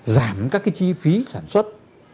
giảm các cái chi phí sản xuất